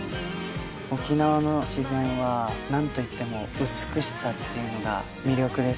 沖縄の自然は何といっても美しさっていうのが魅力ですよね。